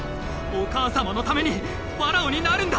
お母様のためにファラオになるんだ！